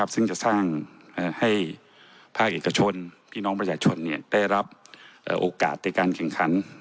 ซึ่งจะสร้างให้ภาคเอกชนพี่น้องประชาชนได้รับโอกาสในการแข่งขัน